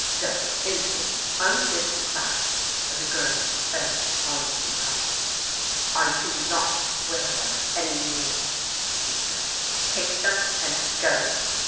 Dodo instantly undid the clasp, and the girdle fell on to the carpet. "I do not wear them any more," she said. "Take them, and go."